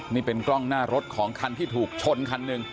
นี่เป็นกล้องหน้ารถของคันที่ถูกชนคันหนึ่ง